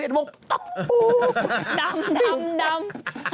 ต้มปู๊บดำ